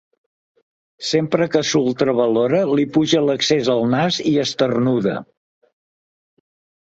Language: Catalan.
Sempre que s'ultravalora li puja l'excés al nas i esternuda.